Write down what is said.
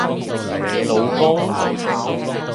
你老公？